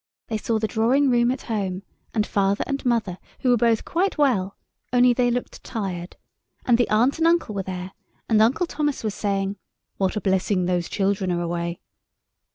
They saw the drawing room at home, and father and mother, who were both quite well, only they looked tired—and the aunt and uncle were there—and Uncle Thomas was saying, "What a blessing those children are away."